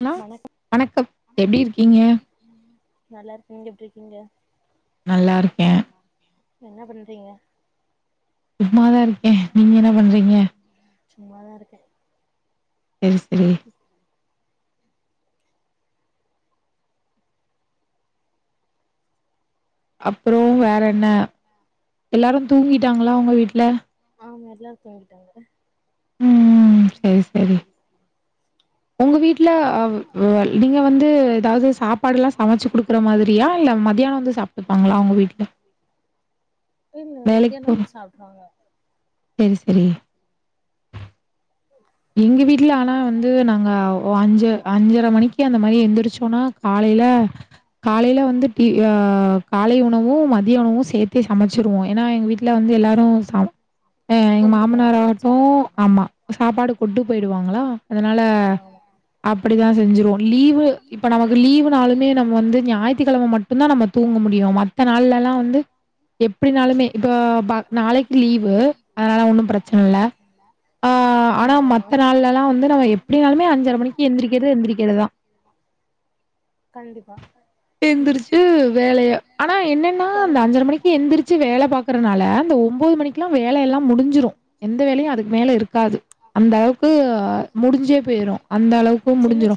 அன்னா வணக்கம் எப்பிடி இருக்கீங்க நல்லா இருக்க நீங்க எப்பிடி இருக்கீங்க நல்லா இருக்கேன் என்ன பண்றீங்க சும்மாதான் இருக்கேன் நீங்க என்ன பண்றீங்க சும்மாதான் இருக்கேன் சேரி சேரி அப் அப்பறம் வேற என்ன எல்லாரும் தூங்கிட்டாங்களா உங்க வீட்ல எல்லாரு தூங்கிட்டாங்க ம் செரி செரி உங்க வீட்டு வீடல நீங்க வந்து ஏதாவது சாப்பாடுல்லா சமைச்சு குடுக்குறங்களா வெளிய இல்ல மதியானம் வந்து சாப்புட்டுப்பாங்களா உங்க வீட்ல இல்ல மத்யானோ வந்து சாப்ட்ருவாங்க செரி செரி எங்க வீட்ல ஆனா வந்து நாங்க அஞ்சு அஞ்சர மணிக்கு அந்த மாரி எந்திரிச்சோனா காலையில காலையில வந்து டி ஆ காலை உணவூ மதிய உணவூ சேத்தே சமைச்சிருவோ ஏனா எங்க வீட்ல வந்து எல்லாரூ ச எங்க மாமனார் ஆகட்டூ ஆமா சாப்பாடு கொண்டு போயிருவாங்களா அதனால அப்டிதா செஞ்சிருவோ லீவு இப்ப நமக்கு லீவுனாலுமே நம்ம வந்து ஞாயித்துக்கெழம மட்டுந்தா நம்ம தூங்க முடியூ மத்த நாள்லல்லா வந்து எப்டினாலுமே இப்ப ப நாளைக்கு லீவு அதனால ஒன்னூ ப்ரச்சன இல்ல ஆ ஆனா மத்த நாள்லலா வந்து நம்ம எப்டினாலுமே அஞ்சர மணிக்கு எந்திரிக்கிறது எந்திரிக்கிறதுதா எந்திரிச்சு வேலைய ஆனா என்னன்னா அந்த அஞ்சர மணிக்கு எந்திரிச்சு வேல பா்கறனால அந்த ஒம்போது மணிக்குல்லா வேலையெல்லா முடிஞ்சிடூ எந்த வேலையூ அதுக்கு மேல இருக் காது அந்தளவுக்கு முடிஞ்சே போயிரூ அந்தளவுக்கு முடிஞ்சிடூ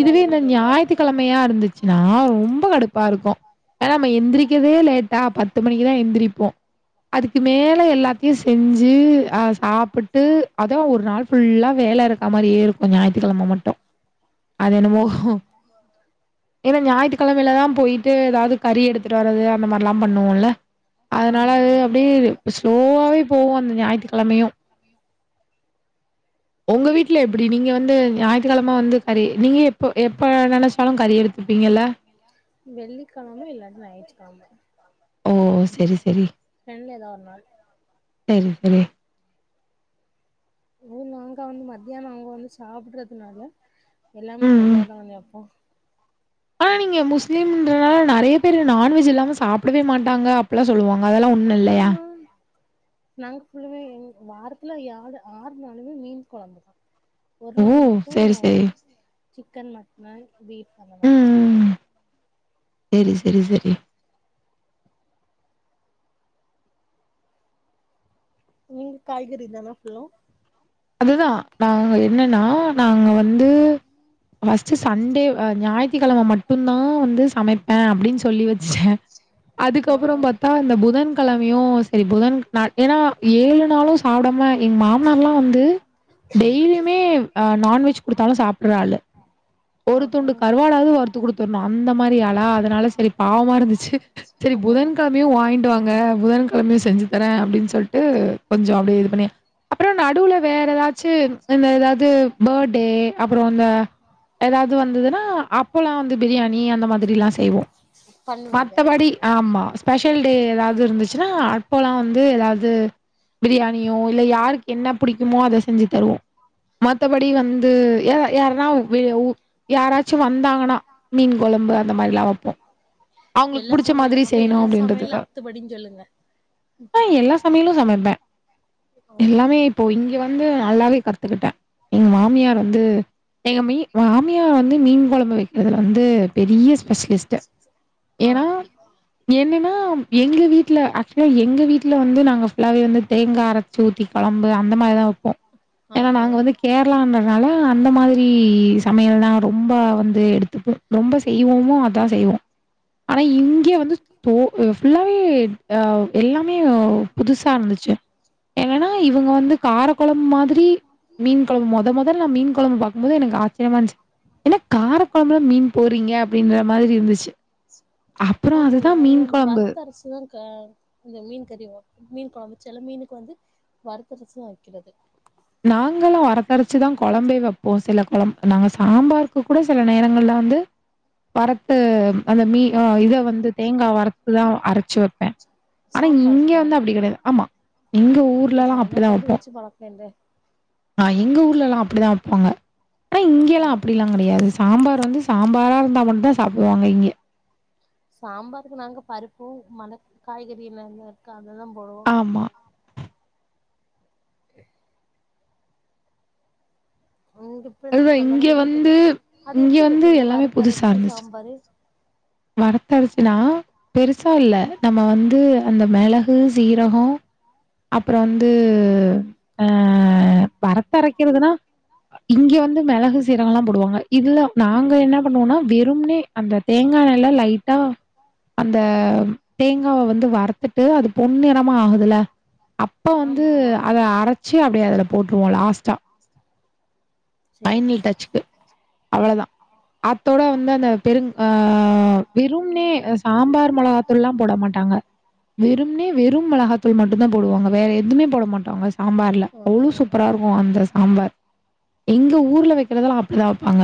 இதுவே இந்த ஞாயித்துக்கெழமையா இருந்துச்சுன்னா ரொம்போ கடுப்பாருக்கூ ஏனா நம்ம எந்திரிக்கதே லேட்டா பத்து மணிக்குதா எந்திரிப்போ அதுக்கு மேல எல்லாத்தையூ செஞ்சு ஆ சாப்புட்டு அதா ஒர் நாள் ஃபுல்லா வேல இருக்க மாரியே இருக்கூ ஞாயித்துக்கெழம மட்டூ அதென்னமோ இருங்க ஞாயித்து கெழமலதா போயிட்டு ஏதாவ்து கறி எடுத்துட்டு வரது அந்த மாரிலா பண்ணுவோல்ல அதனால அது அப்டியே ஸ்லோவாவே போவூ அந்த ஞாயித்துக்கெழமையூ உங்க வீட்ல எப்டி நீங்க வந்து ஞாயிற்றுக்கெழம வந்து கறி நீங்க எப்ப எப்ப நெனைச்சாலு கறி எடுத்துப்பீங்கல்ல காம ஓ செரி செரி ரெண்டுல ஏதா ஒரு நாள் செரி செரி ஓ நாங்க வந்து மத்தியானோ அவுங்க வந்து சாப்ட்றதுனால எல்லாமே வெதுவாதான்னே வெப்போ ஆனா நீங்க முஸ்லீம்ன்றனால நெறைய பேரு நான்வெஜ் இல்லாம சாப்டவே மாட்டாங்க அப்டில்லா சொல்லுவாங்க அதெல்லா ஒன்னு இல்லையா நாங்க்குள்ளவே வாரத்துல யாரு ஆறு நாளுமே மீன் கொழம்புதா ஒரு நாள் மட்டூ சிக்கன் மட்னன் பீப் அந்த மாரி இருக்கூ செரி செரி செரி நீங்க காய்கறி தானா ஃபுல்லூ அதுதா நாங்க என்னன்னா நாங்க வந்து ஃபஸ்ட் சண்டே ஆ ஞாயித் சனிக்கெழம மட்டுந்தா வந்து சமைப்பே அப்டின்னு சொல்லி வச்சே அதுக்கப்றோ பாத்தா இந்த புதன் கெழமையூ செரி புதன் நாள் ஏனா ஏழு நாளூ சாப்டாம எங்க மாமனார்லா வந் து டெய்லியுமே ஆ நான்வெஜ் குடுத்தாலூ சாப்டுற ஆளு ஒரு துண்டு கருவாடாவ்து வறுத்து குடுத்துர்ணூ அந்த மாரி ஆளா அதனால செரி பாவமாருந்துச்சு செரி புதன்கிழமையு வாங்கிட்டு வாங்க புதன்கிழமையு செஞ்சு தரே அப்டின் சொல் டு கொஞ்ச அப்டியே இது பண்ணி அப்புற நா வேற ஏதாச்சு இந்த ஏதாவது பேடே அப்புற இந்த ஏதாவது வந்ததுன்னா அப்போல்லா வந்து பிரியாணி அந்த மாதிரிலா செய்வோ மத்தபடி ஆமா ஸ்பெஷல் டே ஏதாவது இருந்துச்சுன்னா அப்போல்லா வந்து ஏதவது து பிரியாணியோ இல்ல யாருக்கு என்ன புடிக்குமோ அத செஞ்சு தருவோ மத்தபடி வந்து ய யாரன்னா வந்து யாராச்சு வந்தாங்கன்னா மீன் கொழம்பு அந்த மாதிரிலா வப்போ அவுங்களுக்கு புடிச்ச மாதிரி செய்யணு அப்படின்றதுக்கா ஹே எல்லா சமையலு சமைப்பே எல்லாமே வந்து நல்லாவே கத்துக்கிட்டே எங்க மாமியார் வந்து எங்க மீ மாமியா வந்து மீன் கொழம்பு வைக்கிறதுல வந்து பெரிய ஸ் ஸ்பெஷலிஸ்ட் ஏனா என்னனா எங்க வீட்ல ஆக்சுவலா எங்க வீட்ல வந்து நாங்க ஃபுல்லாவே வந்து தேங்கா அரைச்சி ஊத்திக்கலாம் நம்ப அந்த மாரிதா ஏன்னா நாங்க வந்து கேரளான்றதுனால அந்த மாதிரி சமையல் தா ரொம்ப வந் எடுத்துப்போ ரொம்ப செய்வோமோ அதா செய்வோ ஆனா இங்கே வந்து டோ ஃபுல்லாவே ஆ எல்லாமே புதுசாருந்துச்சு என்னனா இவுங்க வந்து கார கொழம்பு மாதிரி மீன் கொழம்பு மொத மொதல்ல நா மீன் கொழம்பு பாக்கும்போது எனக்கு ஆச்சரியமா இருந்துச் என்ன கார கொழம்புல மீன் போறீங்க அப்படின்ற மாதிரி இருந்துச்சு அப்புறோ அதுதா மீன் கொழம்பு செல மீனுக்கு வந்து வருத்தரச்சு தா வைக்கிறது நாங்களா வரத்தரச்சுதா கொழம்பே வெப்போ சில கொழம்ப நாங்க சாம்பாருக்கு கூட சில நேரங்கள்ல வந்து வறத்து அந்த மீ ஆ இத வந்து தேங்கா வறுத்துதா அரச்சு வப்பே ஆனா இங்க வந்து அப்படி கெடையாது ஆமா இல்ல சாம்பார்க்கு அப்படி வச்சு பழக்க இல்ல ஆ எங்க ஊர்லலா அப்படிதா வப்பாங்க ஆனா இங்கெல்லா அப்படிெல்லா கெடையாது சாம்பார் வந்து சாம்பாரா இருந்தா மட்டு தா சாப்டுவாங்க நீங்க சாம்பாருக்கு நாங்க பருப்பு மழ காய்கறி என்ன என்ன இருக்கா இதெல்லா போடுவோ உங்க இப்படிந்தா சொல்ல வரேன்னு தெரி அது எப்படி வப்பீங்க வறுத்தரச்சி சாம்பாரு வறுத்தரச்சுன்னா பெருசா இல்ல நம்ம வந்து அந்த மெளகு சீரகோ அப்புற வந்து ஆ வரணத்த அரைக்கிறதுன்னா இங்க வந்து மெளகு சீரக எல்லா போடுவாங்க இதுல நாங்க என்ன பண்ணுவோனா வெறும்னே அந்த தேங் ங்காய எல்லா லைட்டா அந்த தேங்காவ வந்து வறுத்துட்டு அது பொண் நிறமா ஆகுதுல அப்ப வந்து அத அரச்சு அப்படியே அதுல போட்டுருவோ லாஸ்ட்டா பைனல் டச்சுக்கு அவ்ளதா அத்தோட வந்து அந்த பெரு ஆ வெறும்னே அ சாம்பார் மொளகாத்தூள்லா போட மாட்டாங்க வெறும்னே வெறும் மிளகாத்தூள் மட்டுதா போடுவாங்க வேற எதுமே போட மாட்டாங்க சாம்பார்ல அவ்ளோ சூப்பரா இருக்கு அந்த சாம்பார் எங்க ஊர்ல வைக்கிறதெல்லாம் அப்படிதான் வைப்பாங்க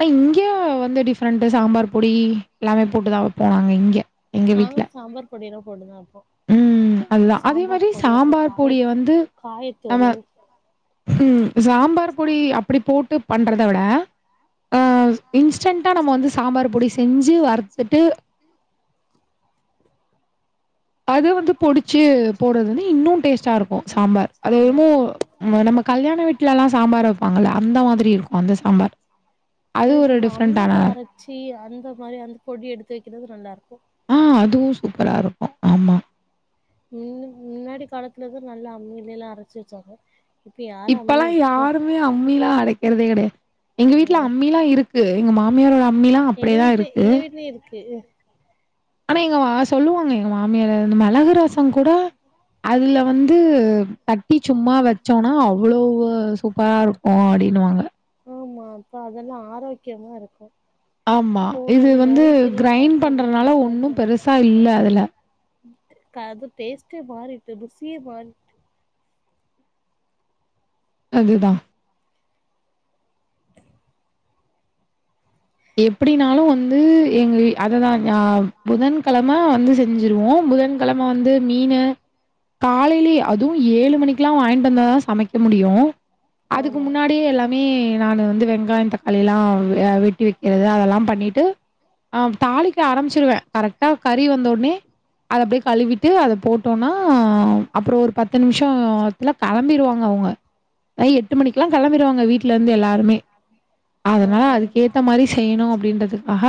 ஆனா இங்கே வந்து டிஃப்ரெண்ட்டு சாம்பார் பொடி எல்லாமே போட்டு தான் வைப்பாங்க இங்க எங்க வீட்டுல உம் அதுதான் அதே மாரி சாம்பார் பொடிய வந்து நம்ம உம் சாம்பார் பொடி அப்படி போட்டு பண்றத விட அ இன்ஸ்டன்டா நம்ம வந்து சாம்பார் செஞ் சு வரத்துட்டு அது வந்து பொடிச்சு போடுறது வந்து இன்னு டேஸ்ட்டா இருக்கு சாம்பார் அது மு ம நம்ம கல்யாண வீட்லெல்லா சாம்பார் வெப்பாங்கல்ல அந்த மாதிரி இருக்கு அந்த சாம்பார் அது ஒரு டிஃப்ரெண்டான மாரி அந்த பொடி எடுத்து வெக்கிறது நல்லாருக்கு ஆ அதுவு சூப்பரா இருக்கு ஆமா முன்னு முன்னாடி காலத்துலதா நல்லா அம்மில எல்லா அரச்சு வெச்சாங்க இப்பலா யாருமே அம்மில அரைக்கறதே கெடையா எங்க வீட்ல அம்மிலா இருக்கு எங்க மாமியாரோட எங்க வீட்லய் எங்க வீட்லயு இருக்கு ஆனா எங்க வா சொல்லுவாங்க எங்க மாமியாரு அந்த மிளகு ரசங் கூட அதுல வந்து தட்டி ச்சும்மா வச்சோனா அவ்ளோவு சூப்பரா இருக் ஓ அடின்னுவாங்க ஆமா அப்ப அதல்லா ஆரோக்கியமா இருக்கு ஆமா இது வந்து கிரைண்ட் பண்றனால ஒண்ணும் பெருசா இல்ல அதுல கது டேஸ்டே மாறிட்டு ருசியே மாறிட்டு அதுதா எப்டினாலு வந்து எங்க அததா ஞ்யா புதன்கழம வந்து செஞ்சிருவோ புதன்கழம வந்து மீனு காலைலியே அதுவு ஏழு மணிக்குலா வாய்ன்ட்டந்தாதா சமைக்க முடியு அதுக்கு முன்னாடியே எல்லாமே நானு வந்து வெ வெங்காயோ தக்காளிலா வ் ய வெட்டி வெக் கிறது அதெல்லாம் பண்ணிட்டு அம் தாளிக்க ஆரம்ச்சிருவே கரக்டா கறி வந்தொட்னே அத அப்டே கழுவிட்டு அத போட்டோன்னா அப்பறோ ஒரு பத்து நிம்ஷோத்துல களம்பிருவாங்க அவுங்க [unintelligible] எட்டு மணிக்கலாங் களம்பிருவாங்க வீட்லிந்து எல்லாருமே அதனால அதுக்கேத்த மாரி செய்ணு அப்டின்டதுக்காஹ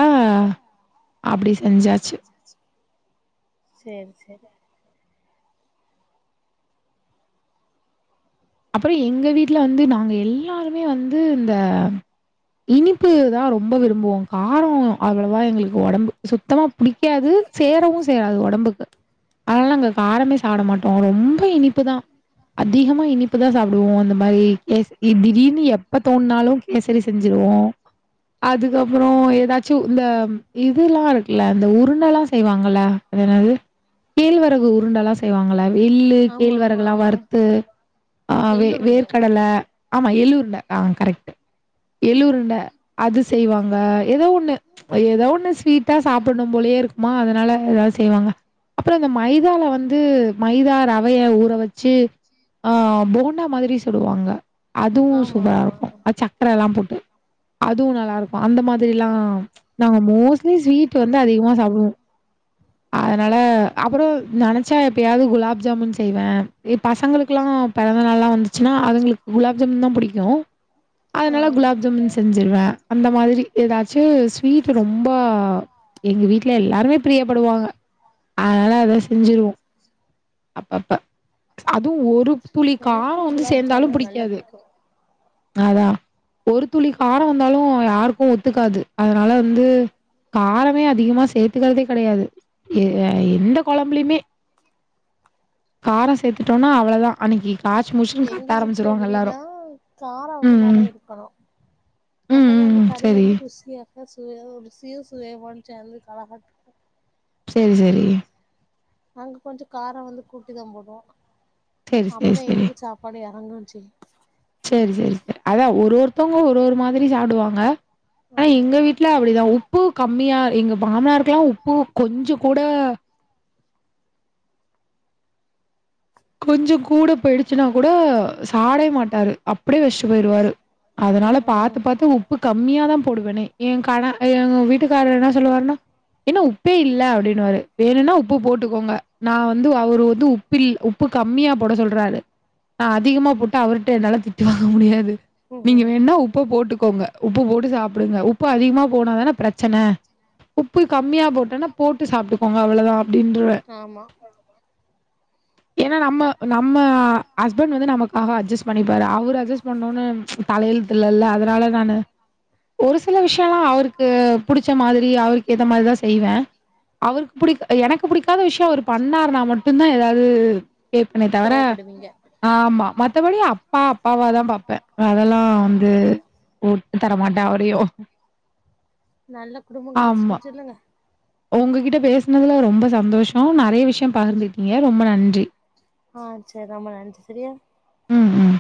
அப்டி செஞ்சாச்சு அப்பறோ எங்க வீட்ல வந்து நாங்க எல்லாருமே வந்து இந்த இனிப்பு தா ரொம்போ விரும்புவோ காரோ அவ்ளவா எங்களுக்கு ஒடம்பு சுத்தமா புடிக்காது சேரவு சேராது ஒடம்புக்கு அனால நாங்கக் காரமே சாட மாட்டோ ரொம்ப இனிப்பு தா அதிகமா இனிப் சாப்டுவோ அந்த மாரி கேஸ் இ திடீர்னு எப்ப தோன்னாலு கேசரி செஞ்சுருவோ அதுகப்பறோ ஏதாச்சு இந்த இதுல்லா இருக்ல இந்த உருண்டல்லா செய்வாங்கல்ல அதெனது கேழ்வரகு உருண்டல்லா செய்வாங்கல்ல வெள்ளு கேழ்வரகுலா வறுத்து ஆ வே வேர் கடல ஆமா எல்லுருண்ட ஆ கரெக்ட்டு எல்லுருண்ட அது செய்வாங்க எதோ ஒண்ணு எதோ ஒண்ணு ஸ்வீட்டா சாப்பட்ணும் போலயே இருக்குமா அதனால எதா செய்வாங்க அப்பறொ இந்த மைதால வந்து மைதா ரவைய ஊற வச்சு ஆ போண்டா மாதிரி சொடுவாங்க அதுவு சூப்பரா இருக்கு அ சக்கர எல்லா போட் அதுவு நல்லாருக்கு அந்த மாதிரிலா நாங்க மோஸ்ட்லீ ஸ்வீட்டு வந்து அதிகமா சாப்டுவோ அதனால அப்பறோ நனச் ச்சா எப்பயாது குலாப் ஜாமுன் செய்வேன் எ பசங்களுக் க்லாம் பெறந்த நாள்லா வந்துச்சுன்னா அதுகங்களுக் குலாப் ஜாமுன் தா புடிக்கும் அதனால குலாப் ஜாமுன் செஞ்சிருவேன் அந்த மாதிரி ஏதாச் ச்சு ஸ்வீட் ரொம்பா எங்க வீட்ல எல்லாருமேப் பிரியப்படுவாங்க அதனால அத செஞ்சிருவோம் அப்ப அத் அதும் ஒருப் துளி காரம் வந்து சேந்தாலும் புடிக்காது அதான் ஒரு துளி காரம் வந்தாலும் யாருக்கும் ஒத்துக்காது அதனால வந்து காரமே அதிகமா சேத்துக்கறதே கடையாது ஏ அ எந்த கொழம்புலையுமே காரம் சேத்து டோனா அவ்ளோதா அன்னைக்கி காய்ச்சு மூச்சுன்னு கத்த ஆரம்பச்சிருவாங்க எல்லாரும் ம் ம் ம் ம் ம் சரி [unintelligible] ஒன் சேந்து கலகட் சேரி சேரி நாங்க கொஞ்சோ காரம் வந்து கூட்டி தா போட்றோம் அப்பதா எங்களுக் சாப்பாடு யா [unintelligible] சரி சரி சரி அதான் ஒரு ஒருத்தவங்க ஒரு ஒரு மாதிரி சாப்டுவாங்க ஆ எங்க வீட்ல அப்புடிதா உப்பு கம்மியா எங்க மாமனருக்குல்லா உப்பு கொஞ்சோ கூட கொஞ்ச கூட பெயிடுச்சுனா குட சாப்டே மாட்டாரு அப்டியே வெச்சுட்டு பொய்ருவாரு அதனால பாத்து பாத்து உப்பு கம்மியா தா போடுவனே ஏகானா எங் வீட்டுக்காரர் என்னா சொல்லுவாருனா என்னா உப்பே இல்ல அப்டினுவாரு வேணுனா உப்பு போட்டுக்கோங்க நா வந்து அவுரு வந்து உப்ரி பு கம்மியா போட சொல்றாரு நா அதிகமா போட்டு அவர்ட்ட என்னால திட்டு வாங்க முடியாது நீங்க வேணா உப்ப போட்டு கோங்க உப்பு போட்டு சாப்டுங்க உப்பு அதிகமா போனாதானே பிரச்சன உப்பு கம்மியா போட்டோனா போட்டு சாப்ட்டுக்கோங்க அவ்ளதா அப்டின்றுவே ஏனா நம்ம நம்ம ஹஸ்பண்ட் வந்து நமக்காக அட்ஜஸ்ட் பண்ணிப்பாரு அவரு அட்ஜஸ்ட் பண்ணுனு தலயெழுத்து இல்லல அதனால நானு ஒரு சில விஷயலா அவுருக்கு புடிச்ச மாதிரி அவுருக்கு ஏத்த மாரி தா செய்வே அவுருக்கு புடிக் எனக்கு புடிக்காத விஷயோ அவுரு பண்ணார்னா மட்டு தா எதாது கேப்னே தவர ஆமா மத்தபடி அப்பா அப்பாவாதா பாப்பே அதெல்லா வந்து உட்டு தரமாடே என்னா வலியோ நல்ல குடும்ப கெடச்சிருக்குனு சொல்லுங்க ஒங்ககிட்ட பேசுனதுல ரொம்ப சந்தோஷ நெறைய விஷ் பகிர்ந்து கிட்டீங்க ரொம்ப நன்றி ஆஹ் சரி ரொம்ப நன்றி சரியா ம் உம்